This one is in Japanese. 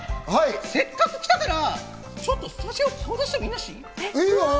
せっかく来たからスタジオに顔を出してもいいなっしー？